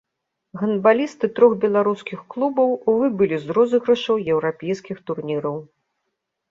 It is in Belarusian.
Гандбалісты трох беларускіх клубаў выбылі з розыгрышаў еўрапейскіх турніраў.